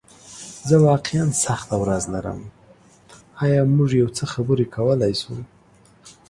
زه واقعیا سخته ورځ لرم، ایا موږ یو څه خبرې کولی شو؟